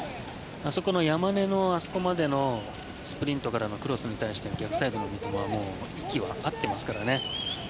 あそこの山根のスプリントからのクロスに対して逆サイドの三笘も息は合ってますからね。